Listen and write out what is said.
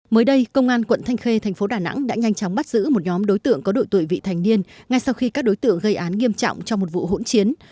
mới đây công an quận thanh khê thành phố đà nẵng đã nhanh chóng bắt giữ một nhóm đối tượng có đội tuổi vị thành niên ngay sau khi các đối tượng gây án nghiêm trọng trong một vụ hỗn chiến